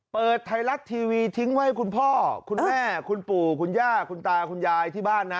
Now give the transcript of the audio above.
เปิดไทยรัฐทีวีทิ้งไว้ให้คุณพ่อคุณแม่คุณปู่คุณย่าคุณตาคุณยายที่บ้านนะ